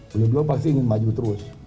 bila bila pasti ingin maju terus